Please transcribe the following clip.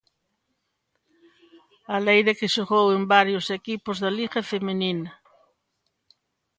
Aleira, que xogou en varios equipos da Liga feminina.